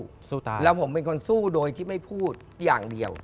เวลาผมเป็นคนสู้โดยที่ไม่พูดอย่างเดียว